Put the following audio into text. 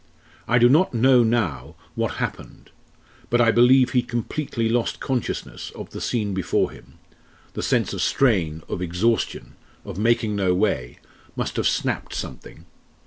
I do not know now what happened but I believe he completely lost consciousness of the scene before him the sense of strain, of exhaustion, of making no way, must have snapped something.